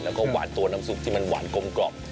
แล้วก็หวานตัวน้ำสุกที่ฟาร์นกรมกรอบ